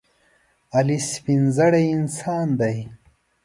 علي سپینزړی انسان دی.